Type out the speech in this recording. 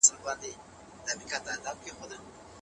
بس له هغي شپې سره زنګېزم په خیالونو کي